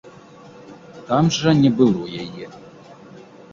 Там жа не было яе.